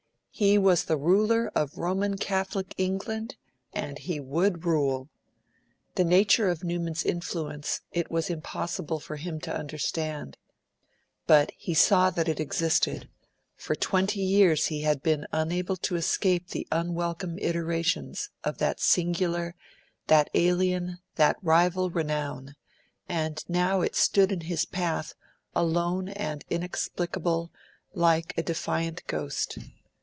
He was the ruler of Roman Catholic England, and he would rule. The nature of Newman's influence it was impossible for him to understand, but he saw that it existed; for twenty years he had been unable to escape the unwelcome iterations of that singular, that alien, that rival renown; and now it stood in his path, alone and inexplicable, like a defiant ghost.